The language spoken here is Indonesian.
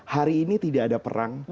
hari ini tidak ada perang